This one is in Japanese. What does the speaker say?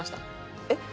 えっ？